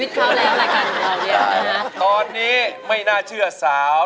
นี่พร้อมอินโทรเพลงที่สี่มาเลยครับ